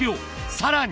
さらに。